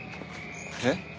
えっ？